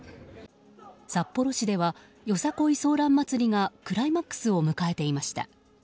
札幌市ではＹＯＳＡＫＯＩソーラン祭りがクライマックスを迎えていました。